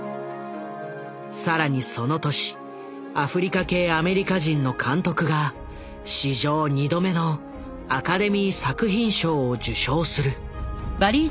更にその年アフリカ系アメリカ人の監督が史上２度目のアカデミー作品賞を受賞する。